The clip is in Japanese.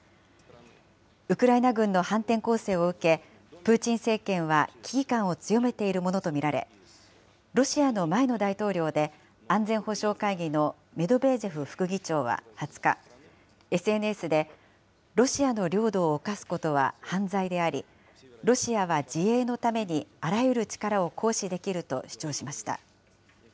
ウクライナ軍の反転攻勢を受け、プーチン政権は危機感を強めているものと見られ、ロシアの前の大統領で、安全保障会議のメドベージェフ副議長は２０日、ＳＮＳで、ロシアの領土を侵すことは犯罪であり、ロシアは自衛のために、あらゆる力を行使できると主張しました。